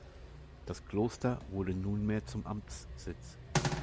Das Kloster wurde nunmehr zum Amtssitz.